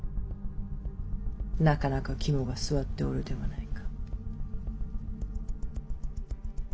なかなか肝が据わっておるではないか。